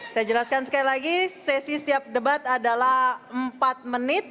saya jelaskan sekali lagi sesi setiap debat adalah empat menit